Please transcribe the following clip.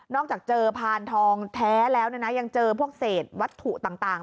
จากเจอพานทองแท้แล้วยังเจอพวกเศษวัตถุต่าง